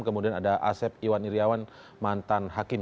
kemudian ada asep iwan iryawan mantan hakim